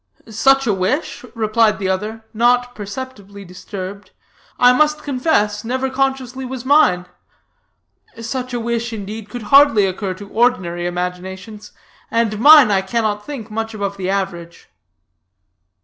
"Such a wish," replied the other, not perceptibly disturbed, "I must confess, never consciously was mine. Such a wish, indeed, could hardly occur to ordinary imaginations, and mine I cannot think much above the average."